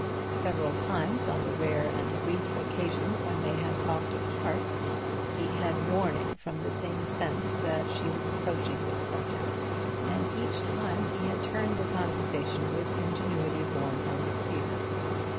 Several times, on the rare and brief occasions when they had talked apart, he had warning from the same sense that she was approaching this subject; and each time he had turned the conversation with the ingenuity born of fear.